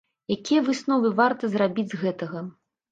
Якія высновы варта зрабіць з гэтага?